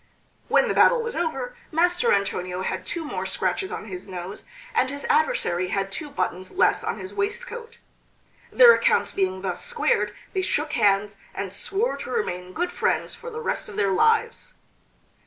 When the battle was over, Master Antonio had two more scratches on his nose, and his adversary had two buttons less on his waistcoat. Their accounts being thus squared they shook hands, and swore to remain good friends for the rest of their lives.